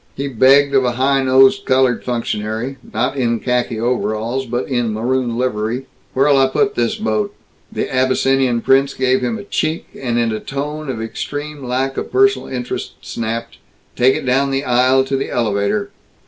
He begged of a high nosed colored functionary not in khaki overalls but in maroon livery "Where'll I put this boat?" The Abyssinian prince gave him a check, and in a tone of extreme lack of personal interest snapped, "Take it down the aisle to the elevator."